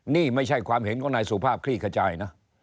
นี่ไม่ใช่ความเห็นของนายสุภาพคลี่ขจายนะ